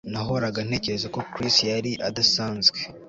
Nahoraga ntekereza ko Chris yari adasanzwe